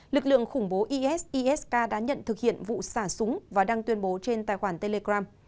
lực lượng khủng bố isis k đã nhận thực hiện vụ xả súng và đang tuyên bố trên tài khoản telegram